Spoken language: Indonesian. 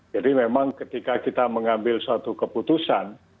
jadi memang ketika kita mengambil suatu keputusan